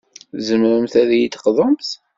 Tzemremt ad yi-d-teqḍumt?